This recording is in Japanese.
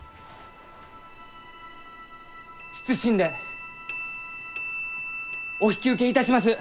謹んでお引き受けいたします！